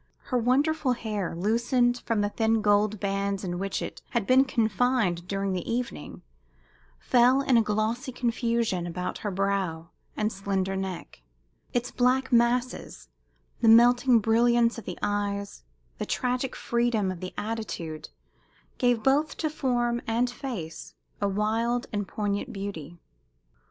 Her wonderful hair, loosened from the thin gold bands in which it had been confined during the evening, fell in a glossy confusion about her brow and slender neck; its black masses, the melting brilliance of the eyes, the tragic freedom of the attitude gave both to form and face a wild and poignant beauty.